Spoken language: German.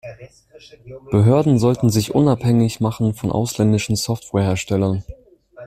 Behörden sollten sich unabhängig machen von ausländischen Software-Herstellern.